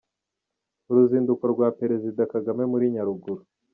Uruzinduko rwa Perezida Kagame muri Nyaruguru